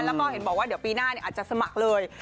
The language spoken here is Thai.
แล้วก็เห็นบอกว่าเดี๋ยวปีหน้าอาจจะสมัครเลย